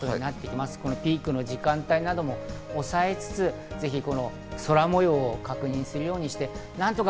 ピークの時間帯などもおさえつつ、空模様を確認するようにしてください。